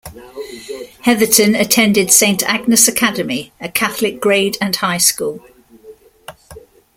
Heatherton attended Saint Agnes Academy, a Catholic grade and high school.